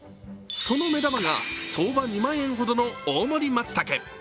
その目玉が相場２万円ほどの大盛りまつたけ。